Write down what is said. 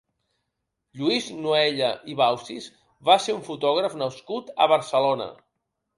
Lluís Noëlle i Baucis va ser un fotògraf nascut a Barcelona.